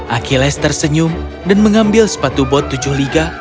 achilles tersenyum dan mengambil sepatu bot tujuh liga